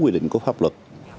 quy định của pháp luật